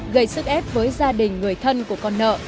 gây sức ép với gia đình người thân của con nợ